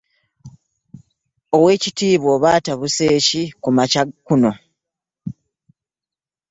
Oweekitiibwa oba atabuse ki kumakya kuno?